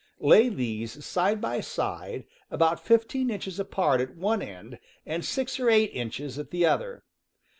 Lay these side by side, about fifteen inches apart at one end and six or eight inches at the other.